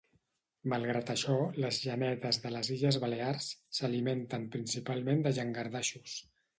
Malgrat això, les genetes de les illes balears, s'alimenten principalment de llangardaixos.